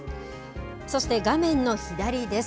そして、画面の左です。